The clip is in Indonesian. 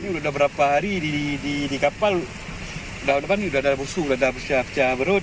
ini sudah berapa hari di kapal tahun depan ini sudah ada busuk sudah ada pecah pecah berut